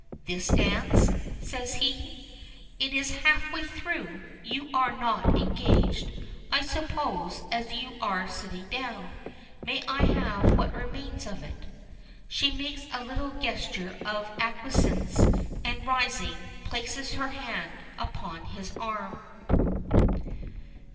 "This dance?" says he. "It is half way through. You are not engaged, I suppose, as you are sitting down? May I have what remains of it?" She makes a little gesture of acquiescence, and, rising, places her hand upon his arm.